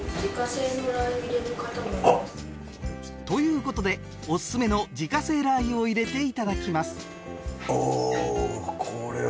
ということでおすすめの自家製ラー油を入れていただきます